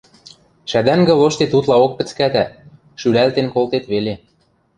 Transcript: Шӓдӓнгӹ лоштет утлаок пӹцкӓтӓ, шӱлӓлтен колтет веле.